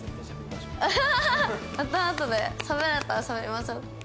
またあとでしゃべれたらしゃべりましょう。